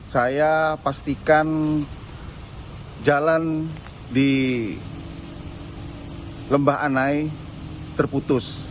saya pastikan jalan di lembah anai terputus